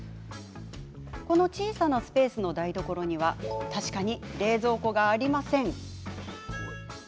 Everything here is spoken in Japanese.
この小さなスペースの台所には確かに冷蔵庫がありません。